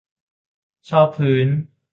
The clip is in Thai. ชอบพื้น